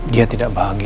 dia tidak bahagia